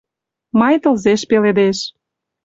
Май тылзеш пеледеш.